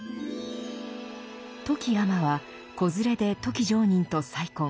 富木尼は子連れで富木常忍と再婚。